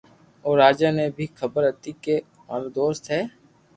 او راجا ني ڀي خبر ھتي ڪي مارو دوست